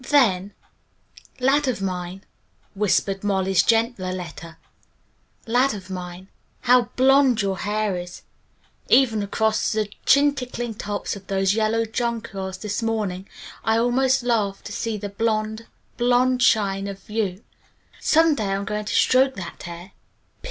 Then "Lad of Mine," whispered Molly's gentler letter. "Lad of Mine, how blond your hair is! Even across the chin tickling tops of those yellow jonquils this morning, I almost laughed to see the blond, blond shine of you. Some day I'm going to stroke that hair."